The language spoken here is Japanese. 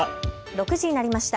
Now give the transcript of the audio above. ６時になりました。